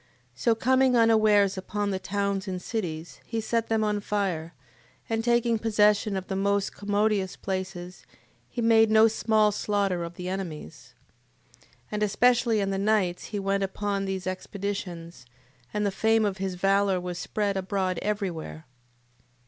8:6. So coming unawares upon the towns and cities, he set them on fire, and taking possession of the most commodious places, he made no small slaughter of the enemies: 8:7. And especially in the nights he went upon these expeditions, and the fame of his valour was spread abroad every where.